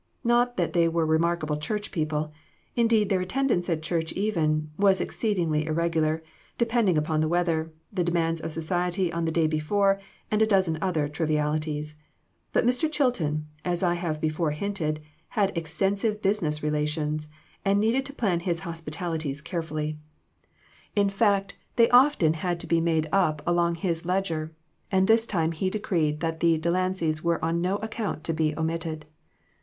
Not that they were remarkable church people ; indeed, their attendance at church even, was exceedingly irreg ular, depending upon the weather, the demands of society pn the day before, and a dozen other trivialities. But Mr. Chilton, as I have before hinted, had extensive business relations, and needed to plan his hospitalities carefully. In 3l6 EMBARRASSING QUESTIONS. fact, they often had to be made up along with his ledger ; and this time he decreed that the Delan cys were on no account to be omitted.